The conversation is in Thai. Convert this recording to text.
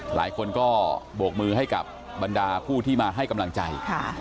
หลายคนก็โบกมือให้กับบรรดาผู้ที่มาให้กำลังใจ